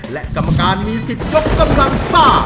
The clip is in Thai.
และกรรมการมีสิทธิ์ยกกำลังซ่า